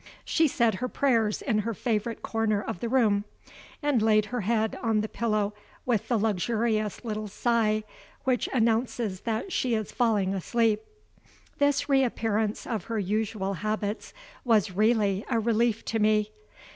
She said her prayers in her favorite corner of the room, and laid her head on the pillow with the luxurious little sigh which announces that she is falling asleep. This reappearance of her usual habits was really a relief to me.